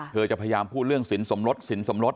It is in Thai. เธอจะพยายามพูดเรื่องสินสมรศ